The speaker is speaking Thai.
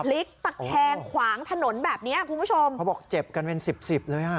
พลิกตะแคงขวางถนนแบบเนี้ยคุณผู้ชมเขาบอกเจ็บกันเป็นสิบสิบเลยอ่ะ